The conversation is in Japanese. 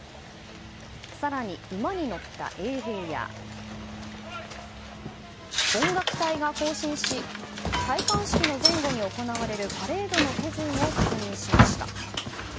更に、馬に乗った衛兵や音楽隊が行進し戴冠式の前後に行われるパレードの手順を確認しました。